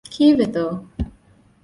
ކީއްވެތޯ؟